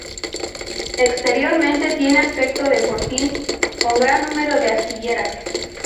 Exteriormente tiene aspecto de fortín, con gran número de aspilleras.